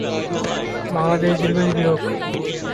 সদরঘাট মানে "নগরের ঘাট"।